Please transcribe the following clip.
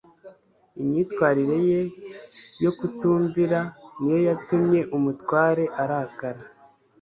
Imyitwarire ye yo kutumvira niyo yatumye umutware arakara